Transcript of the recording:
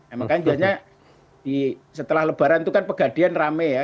emang kan biasanya setelah lebaran itu kan pegadian rame ya